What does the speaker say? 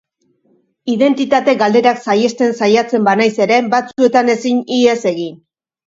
Identitate galderak saihesten saiatzen banaiz ere, batzuetan ezin ihes egin.